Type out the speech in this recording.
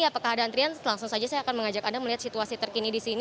apakah ada antrian langsung saja saya akan mengajak anda melihat situasi terkini di sini